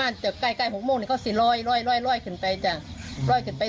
นี่ขณะที่เธอเล่าอย่างนี้